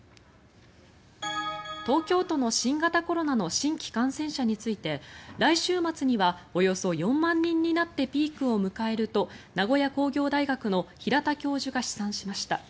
東京都の新型コロナの新規感染者について来週末にはおよそ４万人になってピークを迎えると名古屋工業大学の平田教授が試算しました。